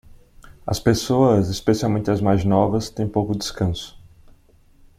As pessoas, especialmente as mais novas, têm pouco descanso.